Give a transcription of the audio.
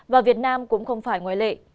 và việt nam cũng không phải ngoại lệ